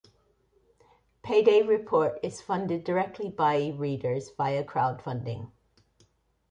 Payday Report is funded directly by readers via crowdfunding.